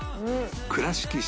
倉敷市